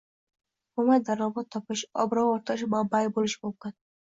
mo‘may daromad topish, obro‘ orttirish manbai bo‘lishi mumkin.